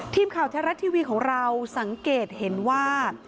ทีมข่าวแท้รัฐทีวีของเราสังเกตเห็นว่า